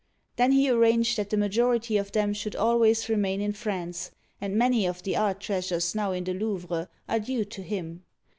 " Then he arranged that the majority of them should always remain in France; and many of the art treasures now in the Louvre are due to him.